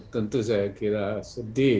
tentu saya kira sedih